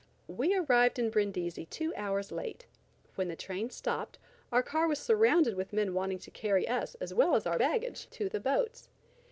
We arrived at Brindisi two hours late. When the train stopped, our car was surrounded with men wanting to carry us as well as our baggage to the boats.